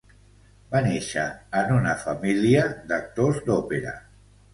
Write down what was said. Va néixer en una família d'actors d'òpera.